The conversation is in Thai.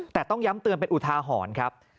แต่ต้องย้ำเตือนเป็นอุทาหรณ์ครับ